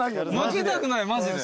負けたくないマジで。